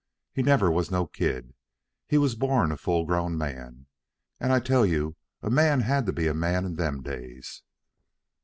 He never was no kid. He was born a full grown man. An' I tell you a man had to be a man in them days.